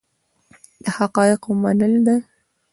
د حقایقو منل ده.